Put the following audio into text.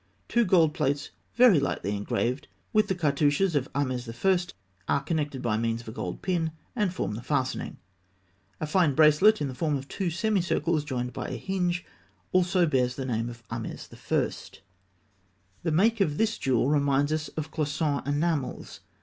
Two gold plates, very lightly engraved with the cartouches of Ahmes I., are connected by means of a gold pin, and form the fastening. A fine bracelet in the form of two semicircles joined by a hinge (fig. 299), also bears the name of Ahmes I. The make of this jewel reminds us of cloisonné enamels.